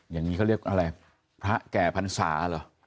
อย่างนี้เขาเรียกอะไรพระแก่พรรษาเหรอ